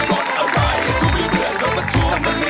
คน๓พูดหลับแล้ว